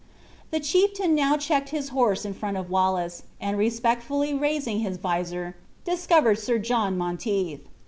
The chieftain now checked his horse in front of Wallace, and respectfully raising his visor, discovered Sir John Monteith.